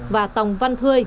và tòng văn thươi